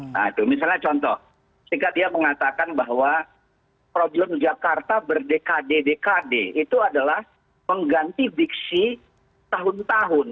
nah itu misalnya contoh jika dia mengatakan bahwa problem jakarta berdekade dekade itu adalah mengganti diksi tahun tahun